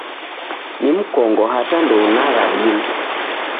Ni mkongo hata ndounagha dilo.